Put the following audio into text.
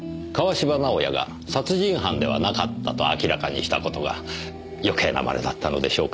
芝直哉が殺人犯ではなかったと明らかにした事が余計なまねだったのでしょうか。